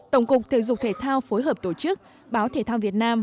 tổng cục thể dục thể thao phối hợp tổ chức báo thể thao việt nam